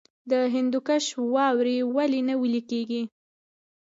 د هندوکش واورې ولې نه ویلی کیږي؟